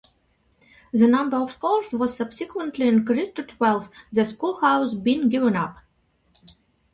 The number of scholars was subsequently increased to twelve, the schoolhouse being given up.